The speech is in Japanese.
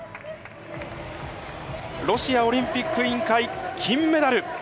ロシアオリンピック委員会金メダル。